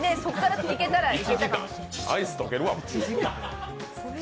アイス溶けるわ。